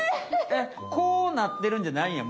えっこうなってるんじゃないんや。